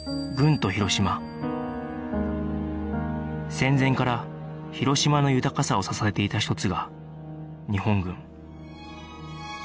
戦前から広島の豊かさを支えていた一つが日本軍